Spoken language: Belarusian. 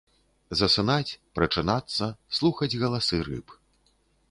Засынаць, прачынацца, слухаць галасы рыб.